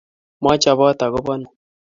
maichobot agu bo nii